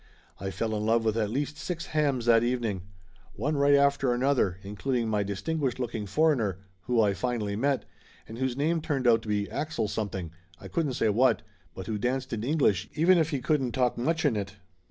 I fell in love with at least six hams that eve ning. One right after another, including my distin guished looking foreigner, who I finally met, and whose name turned out to be Axel Something, I couldn't say what, but who danced in English even if he couldn't talk much in it.